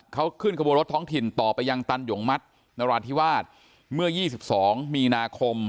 เขาขึ้นขบวนรถท้องถิ่นต่อไปยังตันหยงมัดนราธิวาสเมื่อ๒๒มีนาคม